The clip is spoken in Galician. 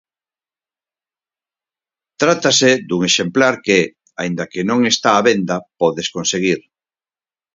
Trátase dun exemplar que, aínda que non está á venda, podes conseguir.